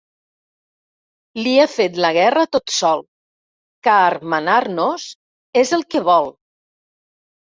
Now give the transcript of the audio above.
Li he fet la guerra tot sol, car manar-nos és el que vol.